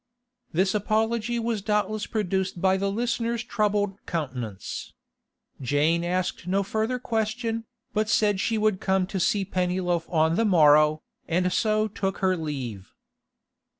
This apology was doubtless produced by the listener's troubled countenance. Jane asked no further question, but said she would come to see Pennyloaf on the morrow, and so took her leave.